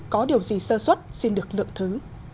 có điều gì sơ xuất xin được lượng thứ